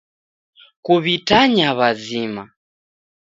Kuw'itanya w'azima.